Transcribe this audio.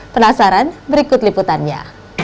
penasaran berikut liputannya